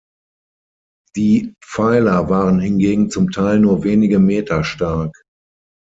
Die Pfeiler waren hingegen zum Teil nur wenige Meter stark.